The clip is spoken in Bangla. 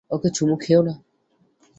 ওকে চুমু খেও না।